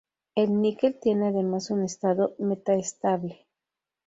El níquel tiene además un estado metaestable.